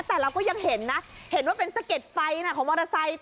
แต่เราก็ยังเห็นนะเห็นว่าเป็นสะเก็ดไฟของมอเตอร์ไซค์